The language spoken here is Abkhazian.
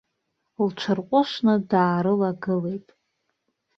Лҽырҟәышны даарылагылеит.